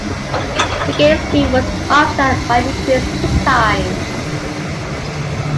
The gain in speed was offset by increased pit times.